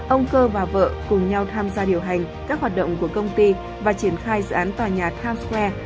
ông cơ và vợ cùng nhau tham gia điều hành các hoạt động của công ty và triển khai dự án tòa nhà times square